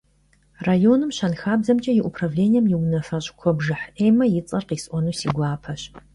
Районым щэнхабзэмкӀэ и управленэм и унафэщӀ Къэбжыхь Эммэ и цӀэр къисӀуэну си гуапэщ.